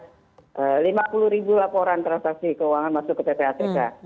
setiap jamnya kita memperoleh lima puluh ribu laporan transaksi keuangan masuk ke ppatk